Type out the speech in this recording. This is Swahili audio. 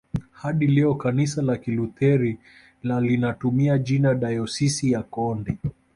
Hadi leo kanisa la Kilutheri la linatumia jina dayosisi ya Konde